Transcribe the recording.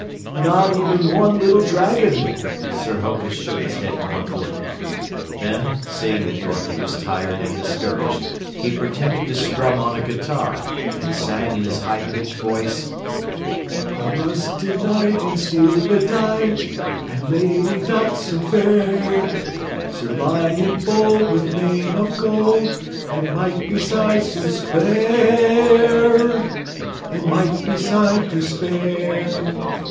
"Not even one little dragon!" Sir Hokus shook his head mournfully. Then, seeing that Dorothy was tired and discouraged, he pretended to strum on a guitar and sang in his high pitched voice: A rusty Knight in steel bedite And Lady Dot, so fair, Sir Lion bold, with mane of gold And might besides to spa ha hare! And might beside to spare!